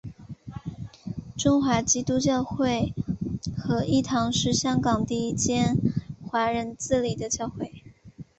中华基督教会合一堂是香港第一间华人自理的教会。